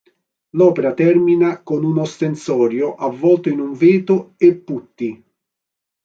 L'opera termina con un ostensorio avvolto in un veto e putti.